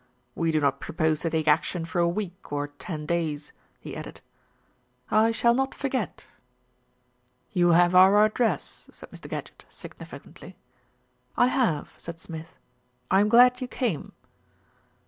"We do not propose to take action for a week or ten days," he added. "I shall not forget." "You have our address," said Mr. Gadgett, signifi cantly. "I have," said Smith. "I'm glad you came."